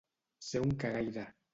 Ser un cagaire.